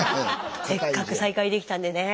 せっかく再開できたんでねえ。